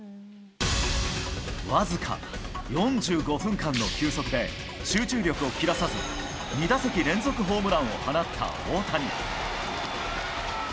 僅か４５分間の休息で、集中力を切らさず、２打席連続ホームランを放った大谷。